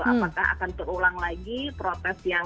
apakah akan terulang lagi protes yang